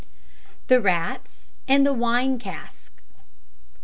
THE RATS AND THE WINE CASK.